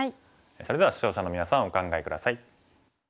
それでは視聴者のみなさんお考え下さい。